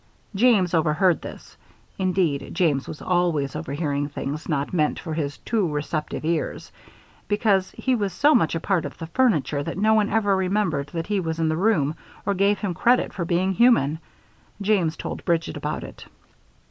James overheard this. Indeed, James was always overhearing things not meant for his too receptive ears, because he was so much a part of the furniture that no one ever remembered that he was in the room or gave him credit for being human. James told Bridget about it.